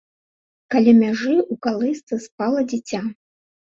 Каля мяжы ў калысцы спала дзіця.